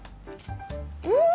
うん！